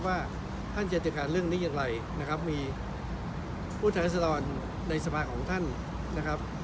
ว่าท่านจะจัดการเรื่องนี้อย่างไรนะครับมีผู้แทนรัศดรในสภาของท่านนะครับ